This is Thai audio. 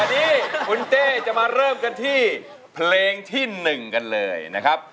วันนี้คุณเต้จะมาเริ่มกันที่เพลงที่๑กันเลยนะครับ